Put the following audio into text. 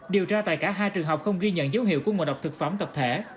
điều tra tại cả hai trường học không ghi nhận dấu hiệu của ngộ độc thực phẩm tập thể